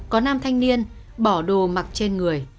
có nam thanh niên bỏ đồ mặc trên người